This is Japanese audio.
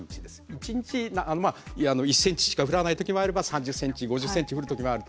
一日１ｃｍしか降らない時もあれば３０ｃｍ５０ｃｍ降る時もあると。